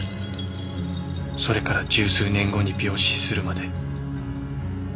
それから十数年後に病死するまで。